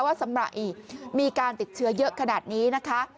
ว่าสำหรับมีการติดเชื้อเยอะขนาดนี้นะคะ